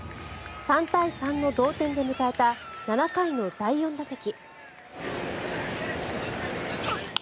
３対３の同点で迎えた７回の第４打席。